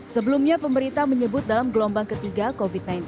sebelumnya pemerintah menyebut dalam gelombang ketiga covid sembilan belas